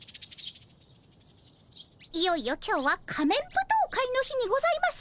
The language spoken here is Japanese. いよいよ今日は仮面舞踏会の日にございます。